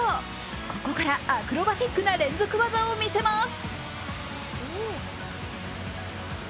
ここからアクロバットな連続技を見せます。